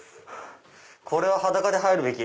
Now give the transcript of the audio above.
これは裸で入るべき。